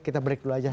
kita break dulu saja